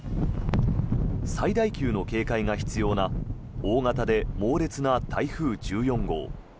最大級の警戒が必要な大型で猛烈な台風１４号。